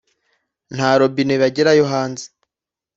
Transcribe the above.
Nta robine bagira yo hanze